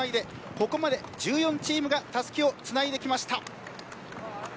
ここまで１４チームがたすきをつないできました。